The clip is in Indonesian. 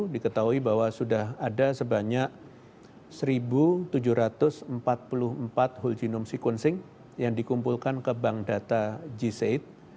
diketahui bahwa sudah ada sebanyak satu tujuh ratus empat puluh empat whole genome sequencing yang dikumpulkan ke bank data g said